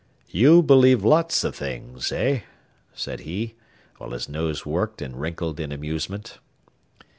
"You believe lots o' things, eh?" said he, while his nose worked and wrinkled in amusement.